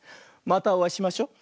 またおあいしましょ。